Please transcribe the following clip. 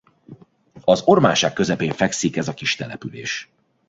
Az Ormánság közepén fekszik ez a kistelepülés.